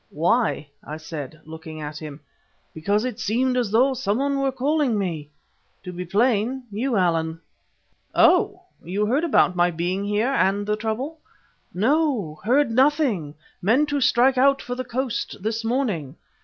"Why?" I said, looking at him. "Because it seemed as though someone were calling me. To be plain, you, Allan." "Oh! you heard about my being here and the trouble?" "No, heard nothing. Meant to strike out for the coast this morning.